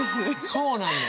そうなんだよ。